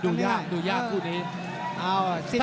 ดูยากดูยากคู่นี้